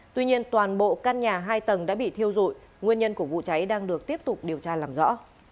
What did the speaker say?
tuy nhiên toàn bộ căn nhà hai tầng đã bị thiêu dụi nguyên nhân của vụ cháy đang được tiếp tục điều tra làm rõ